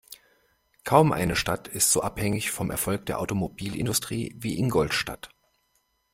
Kaum eine Stadt ist so abhängig vom Erfolg der Automobilindustrie wie Ingolstadt.